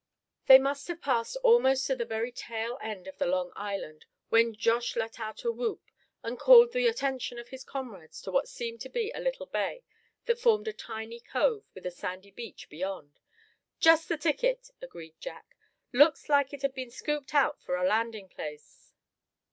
They must have passed almost to the very tail end of the long island when Josh let out a whoop, and called the attention of his comrades to what seemed to be a little bay that formed a tiny cove, with a sandy beach beyond. "Just the ticket!" agreed Jack, "looks like it had been scooped out for a landing place."